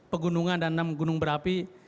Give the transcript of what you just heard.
pegunungan dan enam gunung berapi